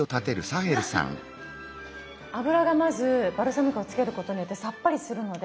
油がまずバルサミコをつけることによってさっぱりするので。